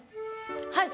はい。